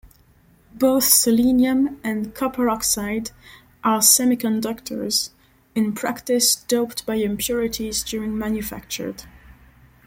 Both selenium and copper oxide are semiconductors, in practice doped by impurities during manufacture.